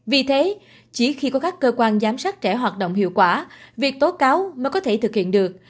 vì thế chỉ khi có các cơ quan giám sát trẻ hoạt động hiệu quả việc tố cáo mới có thể thực hiện được